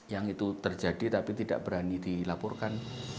yang itu terjadi tapi tidak berani dilaporkan